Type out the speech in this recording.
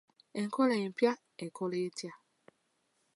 Enkola empya ekola etya?